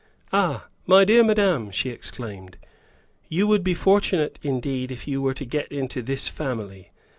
"Ah, my dear madame," she exclaimed, "you would be fortunate indeed if you were to get into this family.